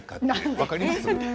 分かります。